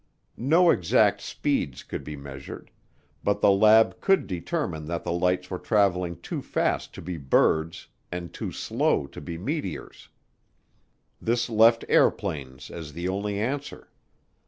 No exact speeds could be measured, but the lab could determine that the lights were traveling too fast to be birds and too slow to be meteors. This left airplanes as the only answer.